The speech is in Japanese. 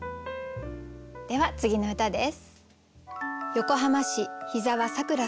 では次の歌です。